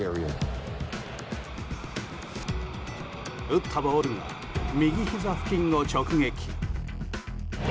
打ったボールが右ひざ付近を直撃。